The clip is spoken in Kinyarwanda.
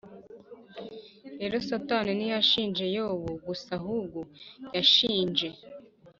rero Satani ntiyashinje Yobu gusa ahubwo yashinje